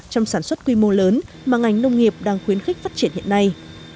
trong sản xuất quy mô lớn mà ngành nông nghiệp đang khuyến khích phát triển hiện nay